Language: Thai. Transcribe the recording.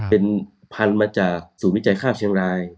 เป็นพันธุ์มาจากศูนย์วิจัยข้าวเชียงราย